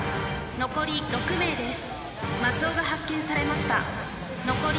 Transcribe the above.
残り６名です。